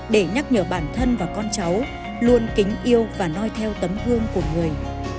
để nhắc nhở bản thân và con cháu luôn kính yêu và nói theo tấm gương của người